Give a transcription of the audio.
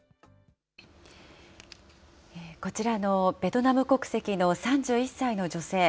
こちらのベトナム国籍の３１歳の女性。